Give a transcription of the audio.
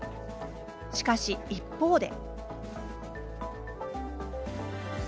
しかし、一方で。